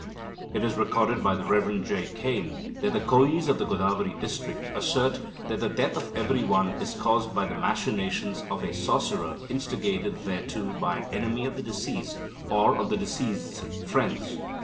It is recorded by the Rev. J. Cain that the Koyis of the Godavari district "assert that the death of every one is caused by the machinations of a sorcerer, instigated thereto by an enemy of the deceased, or of the deceased's friends.